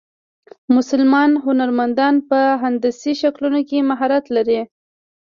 مسلمان هنرمندان په هندسي شکلونو کې مهارت لري.